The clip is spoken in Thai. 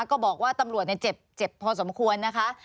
ก็บอกว่าตำรวจเจ็บพอสมควรนะคะ